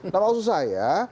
nah maksud saya